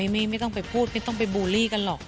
ไม่ต้องไปพูดไม่ต้องไปบูลลี่กันหรอก